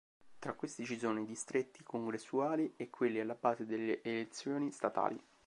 Tra questi ci sono i Distretti congressuali e quelli alla base delle elezioni statali.